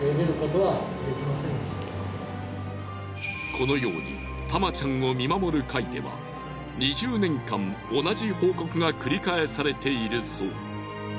このようにタマちゃんを見守る会では２０年間同じ報告が繰り返されているそう。